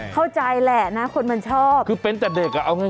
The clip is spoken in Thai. เข้าใจแหละนะคนมันชอบคือเป็นแต่เด็กอ่ะเอาง่าย